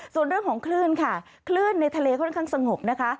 ส่วนเรื่องของคลื่นค่ะคลื่นในทะเลค่อนข้างสงบนะคะ